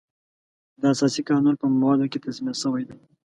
د اساسي قانون په موادو کې تضمین شوی دی.